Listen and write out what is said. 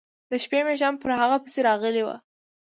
د شپې میږیان پر هغه پسې راغلي و.